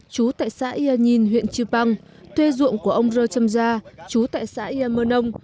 trú tại xã ia nhìn huyện chiu pang thuê ruộng của ông rơ trâm gia trú tại xã ia mơ nông